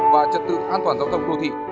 và trật tự an toàn giao thông đô thị